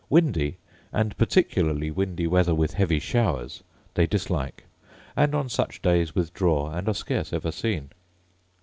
Windy, and particularly windy weather with heavy showers, they dislike; and on such days withdraw, and are scarce ever seen.